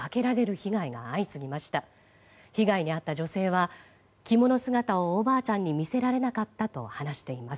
被害に遭った女性は着物姿をおばあちゃんに見せられなかったと話しています。